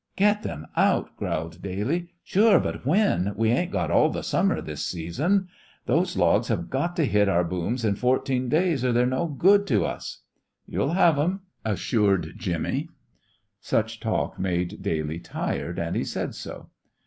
"Get them out!" growled Daly. "Sure! But when? We ain't got all the summer this season. Those logs have got to hit our booms in fourteen days or they're no good to us!" "You'll have 'em," assured Jimmy. Such talk made Daly tired, and he said so.